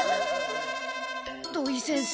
土井先生。